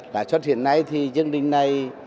lãi suất hiện nay thì chương trình này